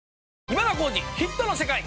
『今田耕司★ヒットの世界』。